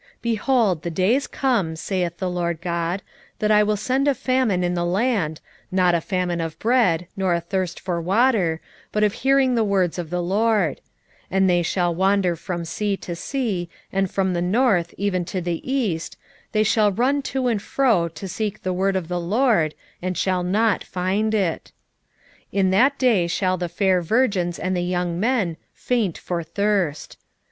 8:11 Behold, the days come, saith the Lord GOD, that I will send a famine in the land, not a famine of bread, nor a thirst for water, but of hearing the words of the LORD: 8:12 And they shall wander from sea to sea, and from the north even to the east, they shall run to and fro to seek the word of the LORD, and shall not find it. 8:13 In that day shall the fair virgins and young men faint for thirst.